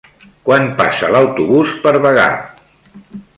Quan passa l'autobús per Bagà?